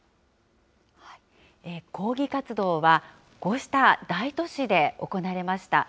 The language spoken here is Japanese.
抗議活動は、こうした大都市で行われました。